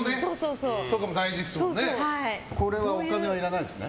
これはお金はいらないですね。